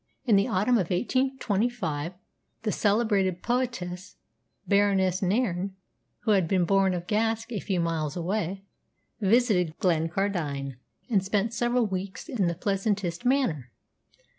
In the autumn of 1825 the celebrated poetess Baroness Nairne, who had been born at Gask, a few miles away, visited Glencardine and spent several weeks in the pleasantest manner.